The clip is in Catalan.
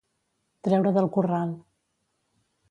Treure del corral.